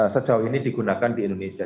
sejauh ini digunakan di indonesia